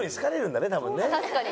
確かに。